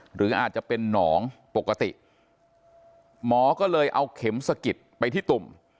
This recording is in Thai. หรืออาจจะเป็นหนองปกติหมอก็เลยเอาเข็มสะกิดไปที่ตุ่ม